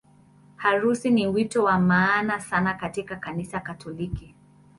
Harusi ni wito wa maana sana katika Kanisa Katoliki.